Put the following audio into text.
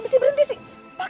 tentu saya mau ngelabrak bella